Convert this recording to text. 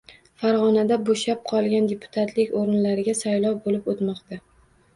Farg‘onada bo‘shab qolgan deputatlik o‘rinlariga saylov bo‘lib o‘tmoqda